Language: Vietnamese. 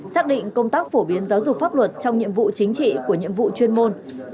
xác định công tác phổ biến giáo dục pháp luật trong nhiệm vụ chính trị của nhiệm vụ chuyên môn